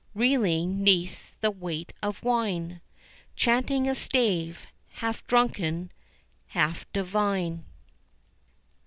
reeling 'neath the weight of wine, Chanting a stave, half drunken, half divine.